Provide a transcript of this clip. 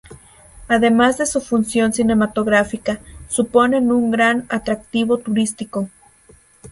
Además de su función cinematográfica, suponen un gran atractivo turístico.